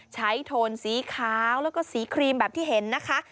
โทนสีขาวแล้วก็สีครีมแบบที่เห็นนะคะ